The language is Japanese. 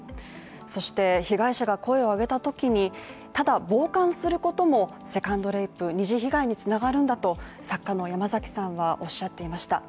そして、被害者が声を上げたときにただ傍観することも二次被害につながるんだと作家の山崎さんはおっしゃっていました。